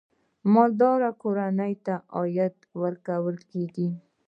مالداري کورنۍ ته عاید ورکوي.